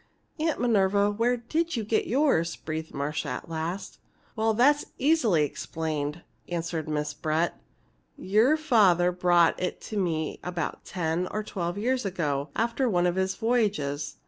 "Aunt Minerva, where did you get yours?" breathed Marcia, at last. "Why, that's easily explained," answered Miss Brett. "Your father brought it to me about ten or twelve years ago, after one of his voyages.